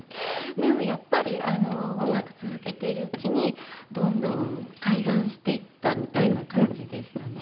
でもやっぱり音楽続けているうちにどんどん開眼していったみたいな感じでしたね。